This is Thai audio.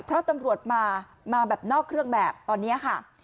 เพราะตำรวจมามาแบบนอกเครื่องแบบตอนนี้ค่ะ